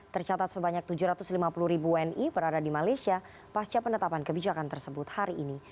tercatat sebanyak tujuh ratus lima puluh ribu wni berada di malaysia pasca penetapan kebijakan tersebut hari ini